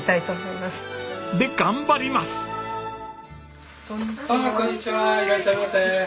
いらっしゃいませ。